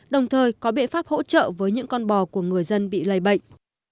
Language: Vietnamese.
đồng thời có biện pháp hỗ trợ với những con bò của người dân bị lây bệnh